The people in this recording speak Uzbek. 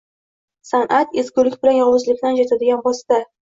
San’at — ezgulik bilan yovuzlikni ajratadigan vosita.